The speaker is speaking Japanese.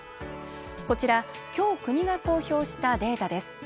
こちら、今日国が公表したデータです。